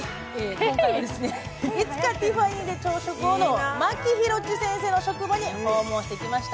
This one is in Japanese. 今回は「いつかティファニーで朝食を」のマキヒロチ先生の職場に訪問してきました。